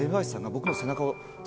僕の背中を。